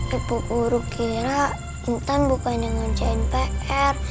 ya bu guru kira intan bukan yang ngerjain pr